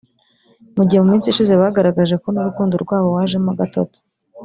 mu gihe mu minsi ishize bagaragaje ko n’urukundo rwabo wajemo agatotsi